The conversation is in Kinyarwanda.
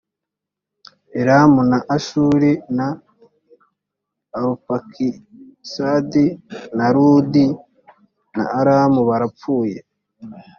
elamu na ashuri na arupakisadi na ludi na aramu barapfuye